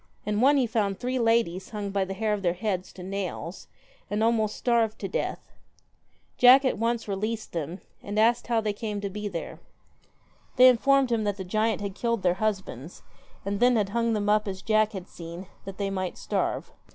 In one he found three ladies hung by the hair of their heads to nails, and almost starved to death. Jack at once released them, and asked how they came to be there. They informed him that the giant had killed their husbands, and then had hung them up as Jack had seen, that they might starve.